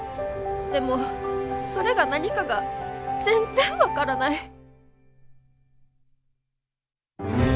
でもそれが何かが全然分からない。